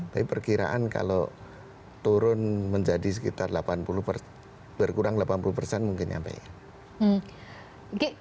tapi perkiraan kalau turun menjadi sekitar delapan puluh persen berkurang delapan puluh persen mungkin sampai